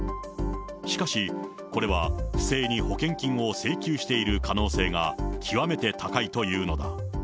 しかし、これは不正に保険金を請求している可能性が極めて高いというのだ。